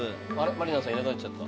満里奈さんいなくなっちゃった。